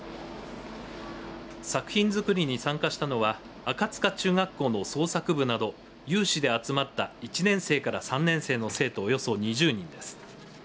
作品づくりに参加したのは赤塚中学校の創作部など有志で集まった１年生から３年生の生徒およそ２０人です。